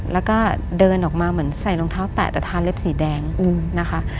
แล้วก็เดินออกมาเหมือนใส่รองเท้าแตะแต่ทานเล็บสีแดงนะคะ